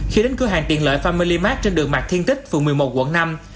khi đến cửa hàng tiện lợi family mart trên đường mạc thiên tích phường một mươi một quận năm